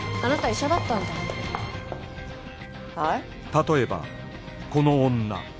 例えばこの女